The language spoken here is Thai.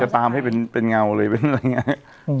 ปรากฏว่าจังหวัดที่ลงจากรถ